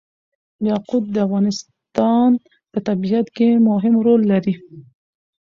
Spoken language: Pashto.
یاقوت د افغانستان په طبیعت کې مهم رول لري.